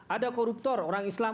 ada koruptor orang islam